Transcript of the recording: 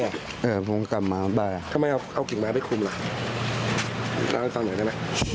เอ่อผมกลับมาได้ทำไมเอาเอากลิ่งไม้ไปคุมล่ะนั่นต้องหน่อยได้ไหม